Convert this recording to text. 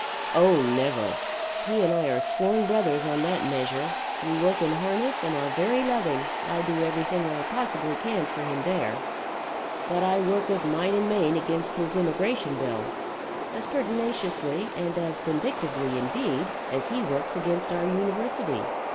"Oh, never; he and I are sworn brothers on that measure; we work in harness and are very loving I do everything I possibly can for him there. But I work with might and main against his Immigration bill, as pertinaciously and as vindictively, indeed, as he works against our University.